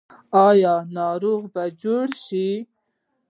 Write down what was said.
آیا ناروغ به جوړ شي؟